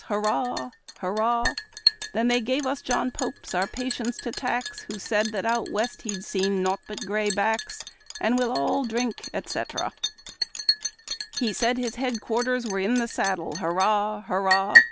Hurrah ! Hurrah ! Then they gave us John Pope our patience to tax. Who said that out West he'd seen naught but Gray backs* He said his headquarters were in the saddle, Hurrah! Hurrah!